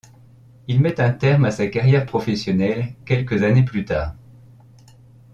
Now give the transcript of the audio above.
Il met un terme à sa carrière professionnelle quelques années plus tard.